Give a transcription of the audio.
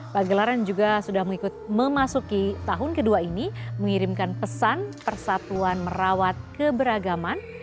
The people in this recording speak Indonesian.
pagelaran juga sudah memasuki tahun kedua ini mengirimkan pesan persatuan merawat keberagaman